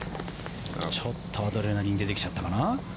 ちょっとアドレナリン出てきちゃったかな。